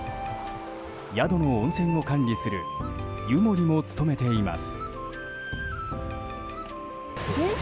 宿の温泉を管理する湯守も務めています。